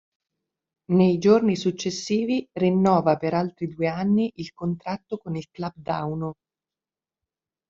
Nei giorni successivi rinnova per altri due anni il contratto con il club dauno.